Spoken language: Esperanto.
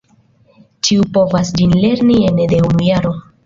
Ĉiu povas ĝin lerni ene de unu jaro.